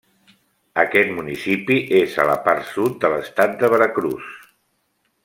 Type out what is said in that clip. Aquest municipi és a la part sud de l'estat de Veracruz.